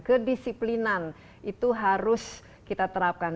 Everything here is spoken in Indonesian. kedisiplinan itu harus kita terapkan